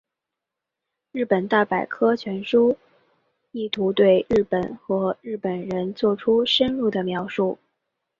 日本大百科全书意图对日本和日本人作出深入的描述。